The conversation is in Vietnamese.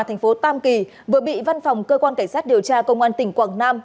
thành phố tam kỳ vừa bị văn phòng cơ quan cảnh sát điều tra công an tỉnh quảng nam